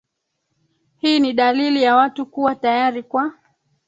hii ni dalili ya watu kuwa tayari kwa